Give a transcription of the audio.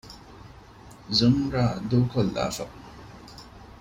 ޒުމްރާ ދޫކޮއްލާފަ